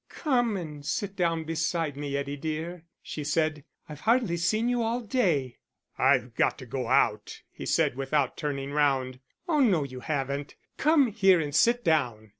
"Come and sit down beside me, Eddie dear," she said. "I've hardly seen you all day." "I've got to go out," he said, without turning round. "Oh no, you haven't. Come here and sit down."